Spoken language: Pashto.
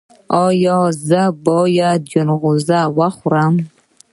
ایا زه باید جلغوزي وخورم؟